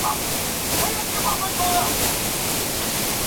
合并移转英皇文化发展有限公司。